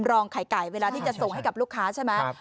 รองไข่ไก่เวลาที่จะส่งให้กับลูกค้าใช่ไหม